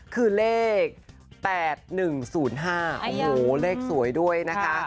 คือเลข๘๑๐๕โอ้โหเลขสวยด้วยนะคะ